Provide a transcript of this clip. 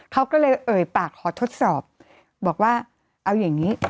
เขาก็เลยเอ่ยปากขอทดสอบบอกว่าเอาอย่างนี้